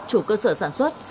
chủ cơ sở sản xuất